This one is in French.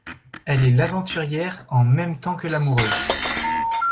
Elle est l’aventurière en même temps que l’amoureuse.